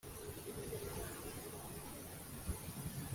umukobwa wa rugenera kandi ntawo kumwitaho